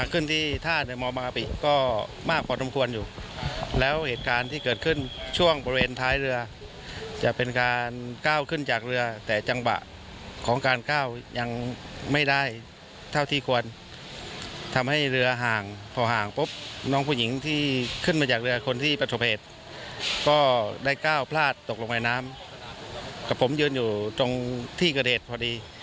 คนที่ประโทษเพศก็ได้ก้าวพลาดตกลงน้ำกับผมยืนอยู่ตรงที่เกดตพอดี